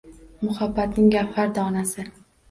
Muhabbatning gavhar donasin —